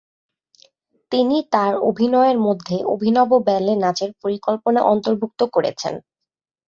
তিনি তার অভিনয়ের মধ্যে অভিনব ব্যালে নাচের পরিকল্পনা অন্তর্ভুক্ত করেছেন।